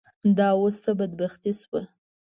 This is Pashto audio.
دا اوس څه بدبختي شوه.